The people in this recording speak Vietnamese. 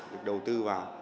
được đầu tư vào